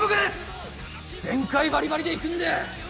全開バリバリでいくんでよろしくー！